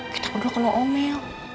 kita berdua kena ongel